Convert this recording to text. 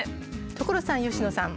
所さん佳乃さん。